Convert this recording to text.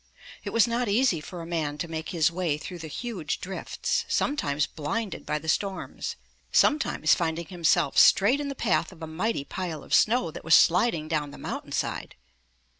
It was not easy for a man to make his way through the huge drifts, sometimes blinded by the storms, sometimes finding him self straight in the path of a mighty pile of snow that was sliding down the mountain side.